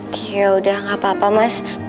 yaudah gak apa apa mas